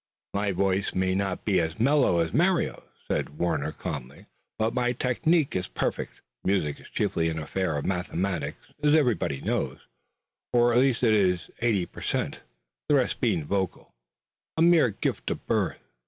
"My voice may not be as mellow as Mario's," said Warner calmly, "but my technique is perfect. Music is chiefly an affair of mathematics, as everybody knows, or at least it is eighty per cent, the rest being voice, a mere gift of birth.